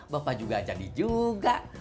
bapak juga jadi juga